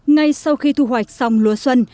ngay sau khi thu hoạch xong lúa xuân